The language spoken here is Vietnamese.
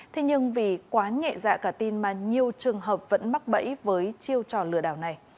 thế nhưng vì quá nhẹ dạ cả tin mà nhiều trường hợp vẫn mắc bẫy với chiêu trò lừa đảo này